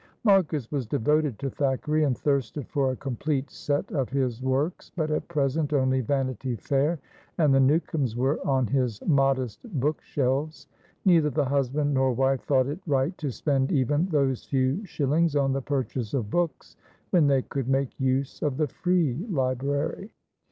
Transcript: Marcus was devoted to Thackeray, and thirsted for a complete set of his works, but at present only Vanity Fair and The Newcomes were on his modest bookshelves. Neither the husband nor wife thought it right to spend even those few shillings on the purchase of books, when they could make use of the Free Library.